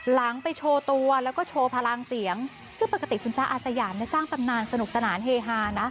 หลังไปโชว์ตัวแล้วก็โชว์พลังเสียงซึ่งปกติคุณจ๊ะอาสยามสร้างตำนานสนุกสนานเฮฮานะ